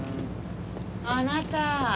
あなた。